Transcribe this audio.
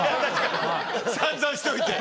散々しといて。